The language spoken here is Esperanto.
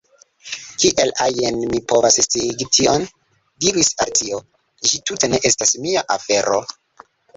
"Kiel ajn mi povas sciigi tion?" diris Alicio, "ĝi tute ne estas mia afero."